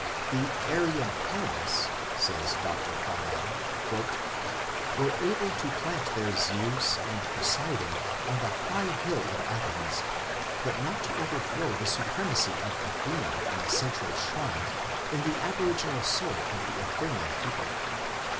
"The Aryan Hellenes", says Dr. Farnell, "were able to plant their Zeus and Poseidon on the high hill of Athens, but not to overthrow the supremacy of Athena in the central shrine and in the aboriginal soul of the Athenian people."